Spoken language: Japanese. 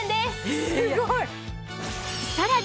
すごい！